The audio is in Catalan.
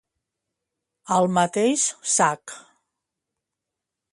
Al mateix sac.